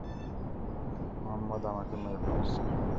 মুহাম্মাদ আমাকে মেরে ফেলেছে।